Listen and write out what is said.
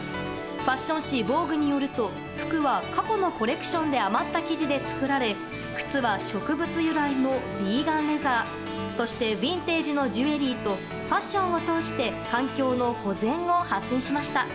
ファッション誌「ＶＯＧＵＥ」によると服は過去のコレクションで余った生地で作られ靴は植物由来のビーガンレザーそしてビンテージのジュエリーとファッションを通して環境の保全を発信しました。